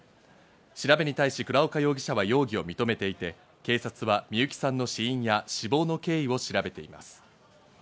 調べに対し倉岡容疑者は容疑を認めていて、警察は美友紀さんの死因や死亡の経緯を調べています。